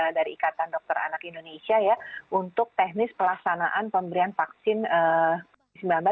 dari ikatan dokter anak indonesia ya untuk teknis pelaksanaan pemberian vaksin covid sembilan belas